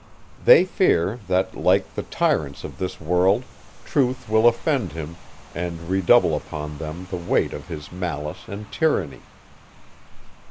They fear, that, like the tyrants of this world, truth will offend him, and redouble upon them the weight of his malice and tyranny.